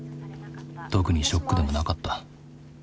特にショックでもなかった。